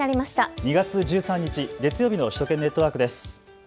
２月１３日月曜日の首都圏ネットワークです。